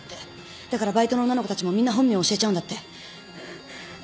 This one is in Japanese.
だからバイトの女の子たちもみんな本名を教えちゃうんだって。